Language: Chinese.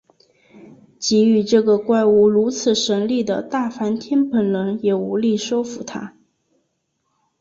给予这个怪物如此神力的大梵天本人也无力收服它。